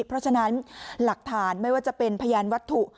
เพราะฉะนั้นหลักฐานไม่ว่าจะเป็นพยานวัตถุ